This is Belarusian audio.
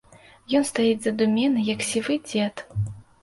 Ён стаіць задуменны, як сівы дзед.